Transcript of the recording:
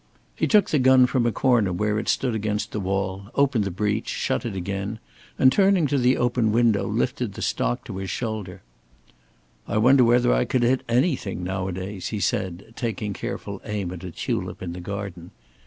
He took the gun from a corner where it stood against the wall, opened the breech, shut it again, and turning to the open window lifted the stock to his shoulder. "I wonder whether I could hit anything nowadays," he said, taking careful aim at a tulip in the garden.